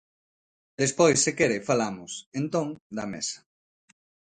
Despois, se quere, falamos, entón, da Mesa.